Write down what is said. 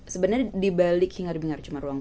sebenarnya dibalik hingar hingar